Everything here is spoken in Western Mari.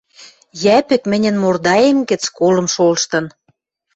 Йӓпӹк мӹньӹн мордаэм гӹц колым шолыштын...